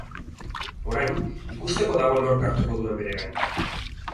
Orain, ikusteko dago nork hartuko duen bere gain.